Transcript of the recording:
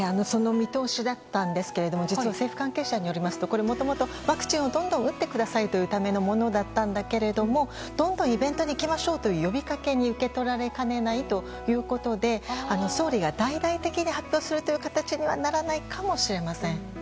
その見通しだったんですけれど実は政府関係者によりますともともとワクチンをどんどん打ってくださいというためのものだったんですがどんどんイベントに行きましょうという呼びかけに受け取られかねないということで総理が大々的に発表するという形にはならないかもしれません。